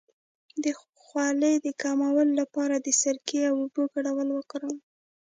د خولې د کمولو لپاره د سرکې او اوبو ګډول وکاروئ